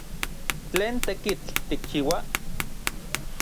¿Tlen tekitl tikchiua?